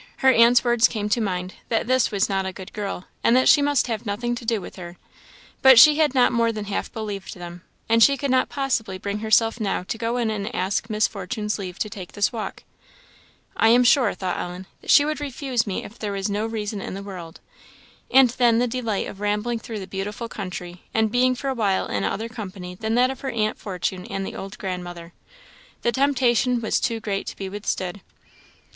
Her aunt's words came to mind, that this was not a good girl, and that she must have nothing to do with her; but she had not more than half believed them, and she could not possibly bring herself now to go in and ask Miss Fortune's leave to take this walk. "I am sure," thought Ellen, "she would refuse me if there was no reason in the world." And then the delight of rambling though the beautiful country, and being for a while in other company than that of her aunt Fortune and the old grandmother! The temptation was too great to be withstood.